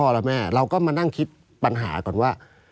แม่เราก็มานั่งคิดปัญหาก่อนว่า